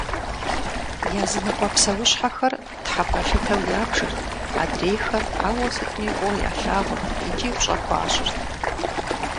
Языныкъуэ псэущхьэхэр тхьэпэлъытэу ябжырт, адрейхэр ауэ сытми фӏыуэ ялъагъурт икӏи пщӏэ хуащӏырт.